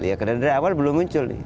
ya karena dari awal belum muncul nih